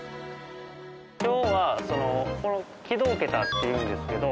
今日は軌道桁っていうんですけど。